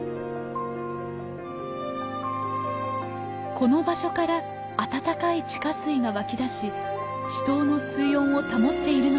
この場所から温かい地下水が湧き出し池溏の水温を保っているのではないか？